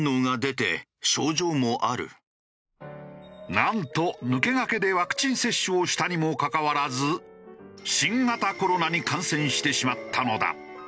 なんと抜け駆けでワクチン接種をしたにもかかわらず新型コロナに感染してしまったのだ。